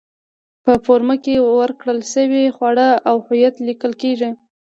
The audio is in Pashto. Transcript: په فورمه کې ورکړل شوي خواړه او هویت لیکل کېږي.